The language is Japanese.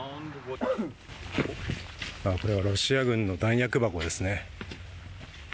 これはロシア軍の弾薬箱ですね。